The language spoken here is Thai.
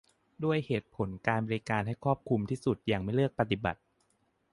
ด้วยเหตุผลการบริการให้ครอบคลุมที่สุดอย่างไม่เลือกปฏิบัติ